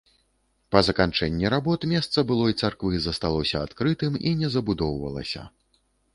Па заканчэнні работ месца былой царквы засталося адкрытым і не забудоўвалася.